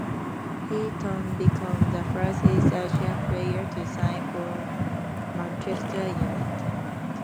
He thus became the first East Asian player to sign for Manchester United.